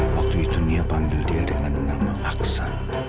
waktu itu dia panggil dia dengan nama aksan